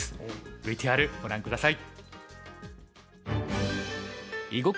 ＶＴＲご覧下さい。